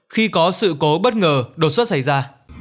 khi có sự cố bất ngờ đột xuất xảy ra